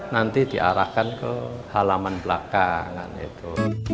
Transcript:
nanti diarahkan ke halaman belakang itu